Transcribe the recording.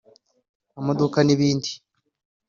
amaduka n’ibindi